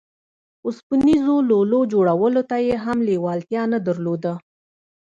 اوسپنيزو لولو جوړولو ته يې هم لېوالتيا نه درلوده.